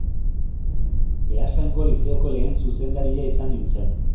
Beasaingo Lizeoko lehen zuzendaria izan nintzen.